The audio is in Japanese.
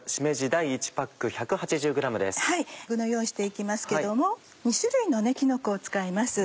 具の用意して行きますけども２種類のきのこを使います。